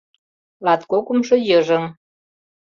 Латкокымшо йыжыҥ